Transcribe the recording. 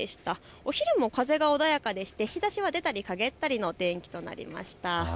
お昼も風が穏やかでして日ざしが出たり、かげったりの天気となりました。